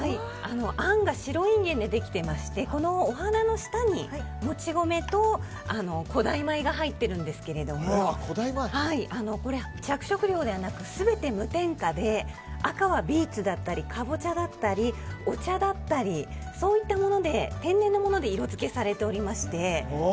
あんが白インゲンでできていましてこのお花の下に、もち米と古代米が入ってるんですがこれ、色は着色料ではなく全て無添加で赤はビーツだったりカボチャだったりお茶だったりそういった天然のもので色付けされておりまして。